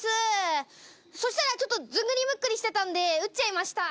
そしたらちょっとずんぐりむっくりしてたんで撃っちゃいました。